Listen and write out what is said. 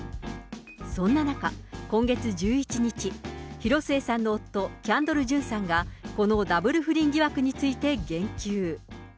そんな中、今月１１日、広末さんの夫、キャンドル・ジュンさんが、このダブル不倫疑惑について言及。